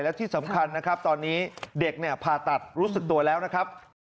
และที่สำคัญนะครับตอนนี้เด็กเนี่ยผ่าตัดรู้สึกตัวแล้วนะครับ